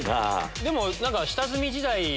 でも。